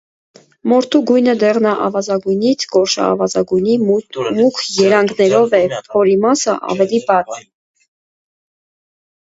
Մորթու գույնը դեղնաավազագույնից գորշաավազագույնի մուգ երանգներով է, փորի մասը՝ ավելի բաց։